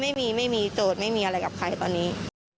ไม่มีไม่มีโจทย์ไม่มีอะไรกับใครตอนนี้